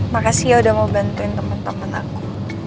makasih ya udah mau bantuin temen temen aku